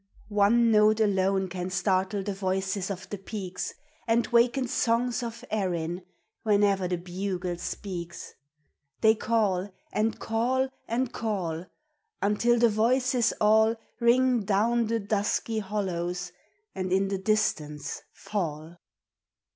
One note alone can startle the voices of the peaks, And waken songs of Erin, whene'er the bugle speaks. They call and call and call, Until the voices all Ring down the dusky hollows and in the distance fall.